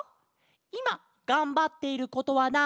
「いまがんばっていることはなんですか？」。